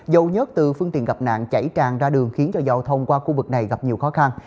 dầu nhất từ phương tiện gặp nạn chảy tràn ra đường khiến cho giao thông qua khu vực này gặp nhiều khó khăn